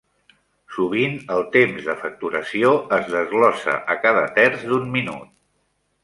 Sovint el temps de facturació es desglossa a cada terç d'un minut.